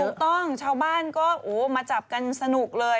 ใช่ปลาท้องเช้าบ้านก็โอ้โหมาจับกันสนุกเลย